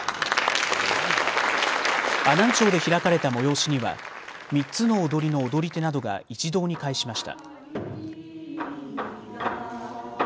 阿南町で開かれた催しには３つの踊りの踊り手などが一堂に会しました。